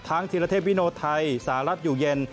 ธีรเทพวิโนไทยสหรัฐอยู่เย็น